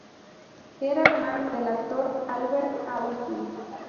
Era hermano del actor Albert Austin.